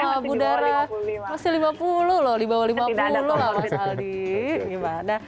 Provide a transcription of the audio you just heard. masih lima puluh loh di bawah lima puluh